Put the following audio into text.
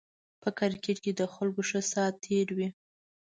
په کرکېټ کې د خلکو ښه سات تېر وي